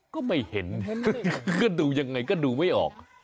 ก็ไม่เห็นก็ดูยังไงก็ดูไม่ออก